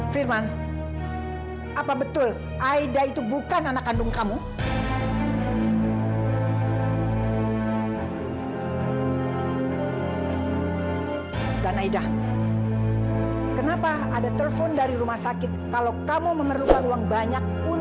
firman apa betul aida itu bukan anak kandung kamu